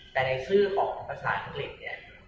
แต่ในชื่อของภาษาอังกฤษเนี่ย